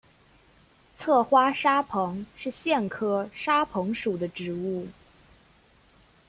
侧花沙蓬是苋科沙蓬属的植物。